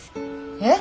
えっ！？